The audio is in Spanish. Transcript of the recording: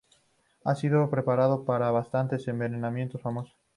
Ha sido preparado para bastantes envenenamientos famosos.